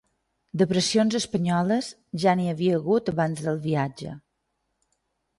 De pressions espanyoles, ja n’hi havia hagut abans del viatge.